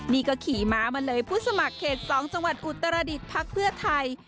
นี่ก็ขี่ม้ามาเลยผู้สมัครเขต๒จังหวัดอุตรดิษฐ์พักเพื่อไทย